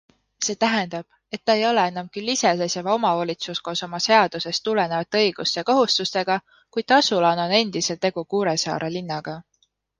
See tähendab, et ta ei ole enam küll iseseisev omavalitsus koos oma seadusest tulenevate õiguste ja kohustustega, kuid asulana on endiselt tegu Kuressaare linnaga.